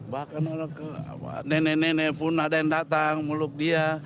bahkan nenek nenek pun ada yang datang meluk dia